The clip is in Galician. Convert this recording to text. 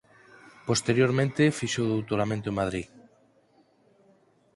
Posteriormente fixo o doutoramento en Madrid.